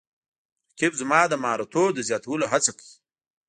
رقیب زما د مهارتونو د زیاتولو هڅه کوي